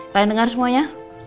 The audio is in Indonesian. kalian dengar semuanya